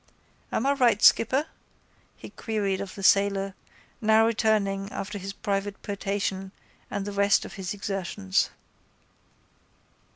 —Am I right, skipper? he queried of the sailor, now returning after his private potation and the rest of his exertions.